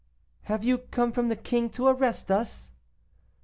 "Have you come from the king to arrest us?"